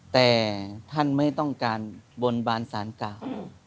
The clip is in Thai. แต่ท่านไม่ต้องการบนบานสารเก่า